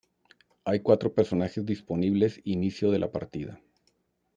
Hay cuatro personajes disponibles inicio de la partida.